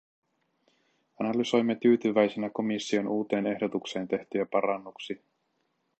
Analysoimme tyytyväisinä komission uuteen ehdotukseen tehtyjä parannuksia.